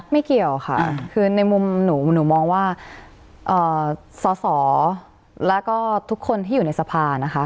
เกี่ยวค่ะคือในมุมหนูหนูมองว่าสอสอแล้วก็ทุกคนที่อยู่ในสภานะคะ